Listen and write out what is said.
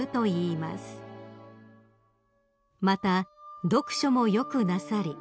［また読書もよくなさり